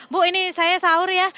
bu ini saya sahur ya